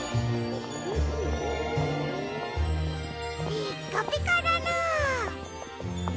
ピッカピカだな！